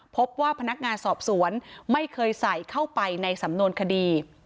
พบว่าพนักงานสอบสวนไม่เคยใส่เข้าไปในสำนวนคดี